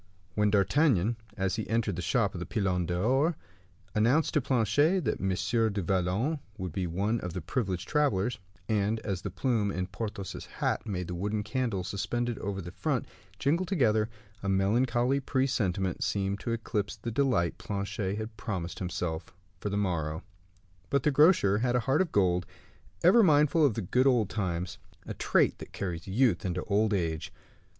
When D'Artagnan, as he entered the shop of the Pilon d'Or, announced to Planchet that M. du Vallon would be one of the privileged travelers, and as the plume in Porthos's hat made the wooden candles suspended over the front jingle together, a melancholy presentiment seemed to eclipse the delight Planchet had promised himself for the morrow. But the grocer had a heart of gold, ever mindful of the good old times a trait that carries youth into old age.